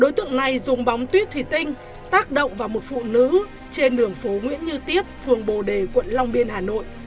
đối tượng này dùng bóng tuyết thủy tinh tác động vào một phụ nữ trên đường phố nguyễn như tiếp phường bồ đề quận long biên hà nội